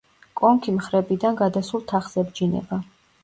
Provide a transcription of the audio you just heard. კონქი მხრებიდან გადასულ თაღს ებჯინება.